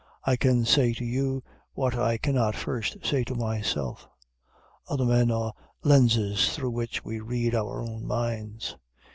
I can say to you what I cannot first say to myself. Other men are lenses through which we read our own minds.